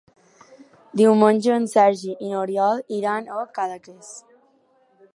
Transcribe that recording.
Diumenge en Sergi i n'Oriol iran a Cadaqués.